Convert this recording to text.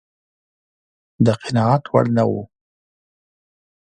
د قناعت وړ نه و.